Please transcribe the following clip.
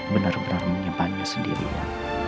bener bener menyempaninya sendirinya